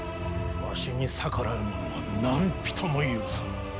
わしに逆らう者は何人も許さぬ。